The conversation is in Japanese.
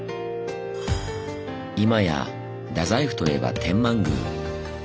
今や太宰府といえば天満宮。